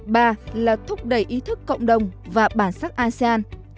ba là thúc đẩy ý thức cộng đồng và bản sắc asean